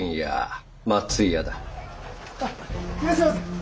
いらっしゃいませ。